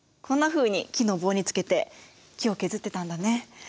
こんなふうに木の棒につけて木を削ってたんだね。